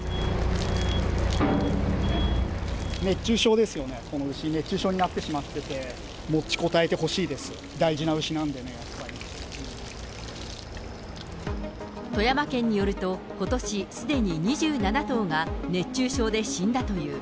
熱中症ですよね、この牛、熱中症になってしまってて、持ちこたえてほしいです、大事な牛なんでね、富山県によると、ことし、すでに２７頭が熱中症で死んだという。